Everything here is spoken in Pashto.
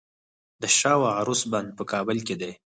د شاه و عروس بند په کابل کې دی